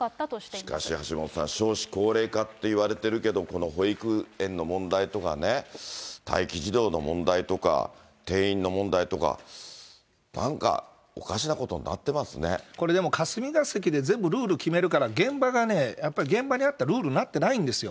しかし橋下さん、少子高齢化っていわれてるけど、この保育園の問題とかね、待機児童の問題とか定員の問題とか、なんか、これでも、霞が関で全部ルール決めるから、現場がね、やっぱり現場に合ったルールになってないんですよ。